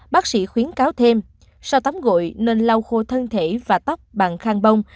bác sĩ khuyến cáo thêm sau tắm gội nên lau khô thân thể và tóc bằng khang bông